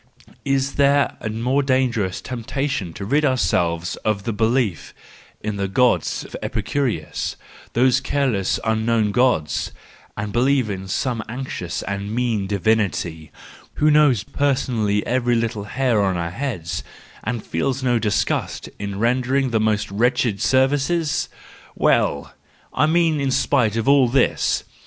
Is there a more dangerous temptation to rid ourselves of the belief in the Gods of Epicurus, those careless, unknown Gods, and believe in some anxious and mean Divinity, who knows personally every little hair on our heads, and feels no disgust in rendering the most wretched services? Well—I mean in spite of all this!